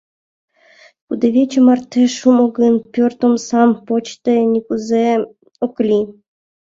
Кудывече марте шумо гын, пӧрт омсам почде нигузе ок лий.